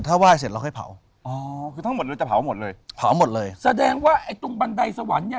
แล้วก็วาวให้วันนี้พร้อมบังหิ่งเตีย